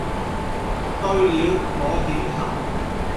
對了我點頭，